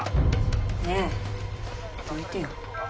ねえどいてよ